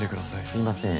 すいません。